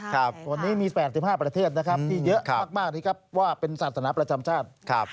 วันนี้มี๘๕ประเทศที่เยอะมากว่าเป็นศาสนาประจำชาติ